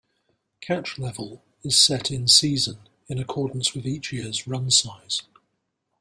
Catch level is set in-season in accordance with each year's run size.